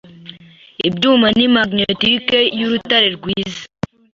Ibyuma ni magnetique yurutare rwiza